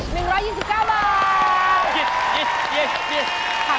แพงกว่า๑๐๙บาท